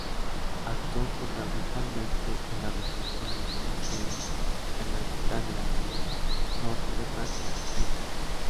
Actuó fundamentalmente en la reforma de monasterios en Aquitania, norte de Francia, e Italia.